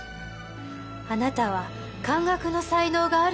あなたは漢学の才能があるんですもの。